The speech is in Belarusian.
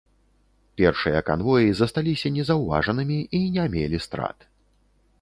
Першыя канвоі засталіся незаўважанымі і не мелі страт.